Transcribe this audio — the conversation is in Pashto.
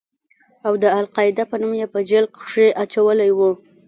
او د القاعده په نوم يې په جېل کښې اچولى و.